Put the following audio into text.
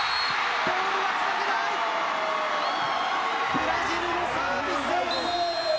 ブラジルのサービスエース！